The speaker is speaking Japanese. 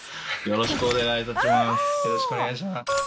よろしくお願いします。